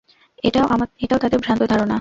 এটাও তাদের ভ্রান্ত ধারণা।